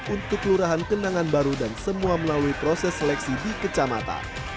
untuk lurahan kenangan baru dan semua melalui proses seleksi di kecamatan